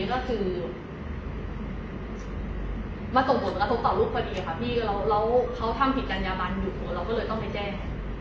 ก็คือมาส่งผลกระทบต่อลูกพอดีค่ะพี่แล้วเขาทำผิดจัญญาบันอยู่หัวเราก็เลยต้องไปแจ้ง